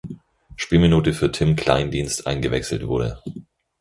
Spielminute für Tim Kleindienst eingewechselt wurde.